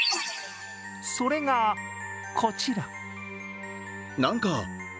それがこちら。